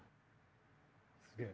すげえ。